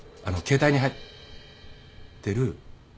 あの携帯に入ってる。